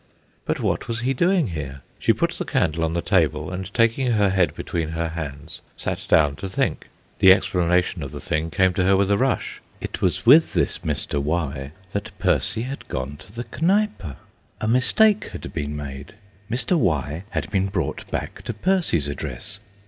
But what was he doing here? She put the candle on the table, and taking her head between her hands sat down to think. The explanation of the thing came to her with a rush. It was with this Mr. Y. that Percy had gone to the Kneipe. A mistake had been made. Mr. Y. had been brought back to Percy's address.